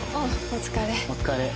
お疲れ。